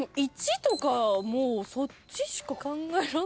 １とかもうそっちしか考えらんない。